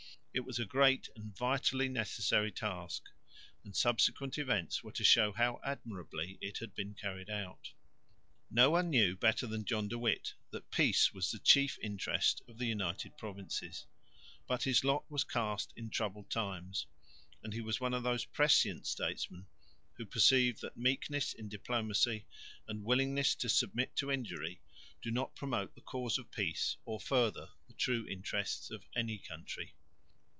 It was a great and vitally necessary task, and subsequent events were to show how admirably it had been carried out. No one knew better than John de Witt that peace was the chief interest of the United Provinces, but his lot was cast in troubled times, and he was one of those prescient statesmen who perceive that meekness in diplomacy and willingness to submit to injury do not promote the cause of peace or further the true interests of any country.